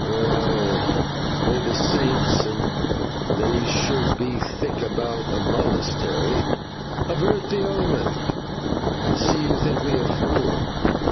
Well, may the Saints, and they should be thick about a monastery, avert the omen. I see you think me a fool."